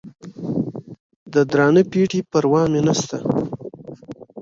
د درانه پېټي پروا مې نسته